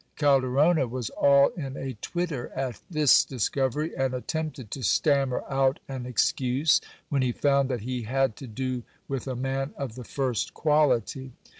Cal derona was all in a twitter at this discovery, and attempted to stammer out an excuse, when he found that he had to do with a man of the first quality.